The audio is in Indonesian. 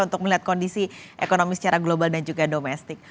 untuk melihat kondisi ekonomi secara global dan juga domestik